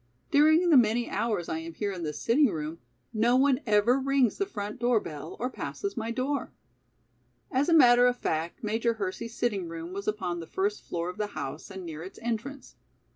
During the many hours I am here in this sitting room, no one ever rings the front door bell or passes my door." As a matter of fact Major Hersey's sitting room was upon the first floor of the house and near its entrance.